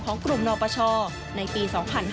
ของกลุ่มนปชในปี๒๕๕๙